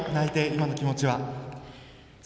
今の気持ちは。